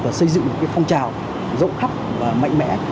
và xây dựng một phong trào rộng khắp và mạnh mẽ